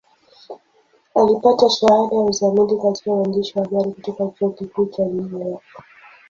Alipata shahada ya uzamili katika uandishi wa habari kutoka Chuo Kikuu cha New York.